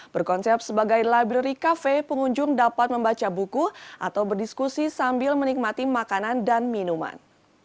berkonsep sebagai library cafe pengunjung dapat membaca buku atau berdiskusi sambil menikmati makanan dan minuman